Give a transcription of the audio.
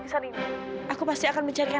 iya aku percaya